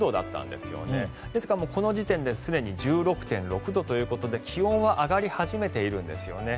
ですからこの時点ですでに１６．６度ということで気温は上がり始めているんですよね。